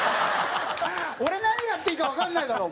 俺何やっていいかわかんないだろ！